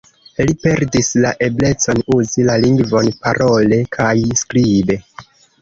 Li perdis la eblecon uzi la lingvon parole kaj skribe.